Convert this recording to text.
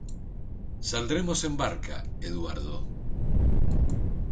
Saldremos en barca, Eduardo.